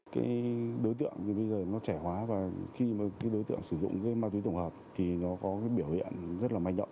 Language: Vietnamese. cái đối tượng bây giờ nó trẻ hóa và khi mà cái đối tượng sử dụng cái ma túy tổng hợp thì nó có cái biểu hiện rất là manh động